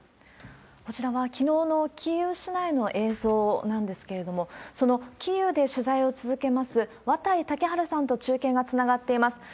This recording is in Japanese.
こちらはきのうのキーウ市内の映像なんですけれども、そのキーウで取材を続けます綿井健陽さんと中継がつながっています。